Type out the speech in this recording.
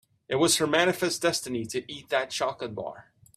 It was her manifest destiny to eat that chocolate bar.